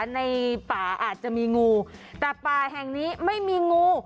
ในป่าอาจจะมีงูแต่ป่าแห่งนี้ไม่มีงู